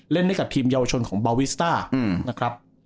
เล่นให้กับทีมเยาวชนของบาวิสต้านะครับ